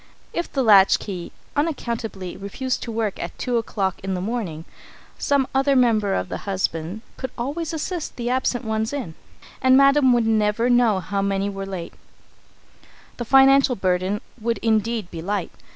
If the latch key unaccountably refused to work at two o'clock in the morning, some other member of the husband could always assist the absent ones in, and Madam would never know how many were late. [Sidenote: The Financial Burden] The financial burden would indeed be light.